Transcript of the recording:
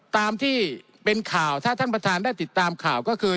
ตามที่เป็นข่าวถ้าท่านประธานได้ติดตามข่าวก็คือ